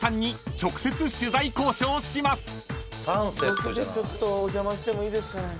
ロケでちょっとお邪魔してもいいですかね？